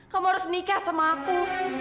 kamu harus menikah sama aku